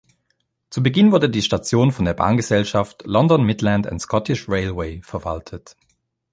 Zu Beginn wurde die Station von der Bahngesellschaft London, Midland and Scottish Railway verwaltet.